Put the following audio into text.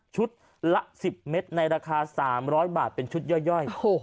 ละ๑๐เมตรในราคา๓๐๐บาทเป็นชุดย่อย